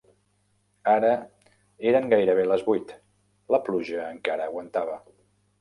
Ara eren gairebé les vuit; la pluja encara aguantava.